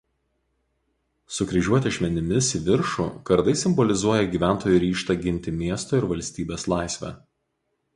Sukryžiuoti ašmenimis į viršų kardai simbolizuoja gyventojų ryžtą ginti miesto ir valstybės laisvę.